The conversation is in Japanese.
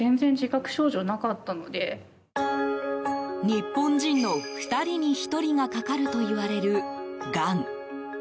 日本人の２人に１人がかかるといわれる、がん。